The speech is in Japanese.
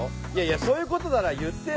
そういうことなら言ってよ。